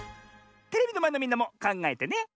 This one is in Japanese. テレビのまえのみんなもかんがえてね。